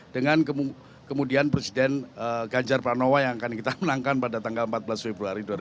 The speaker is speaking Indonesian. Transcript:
dengan kemudian presiden ganjar pranowo yang akan kita menangkan pada tanggal empat belas februari dua ribu sembilan belas